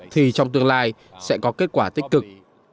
thì trong tương lai sẽ có kết quả tích cực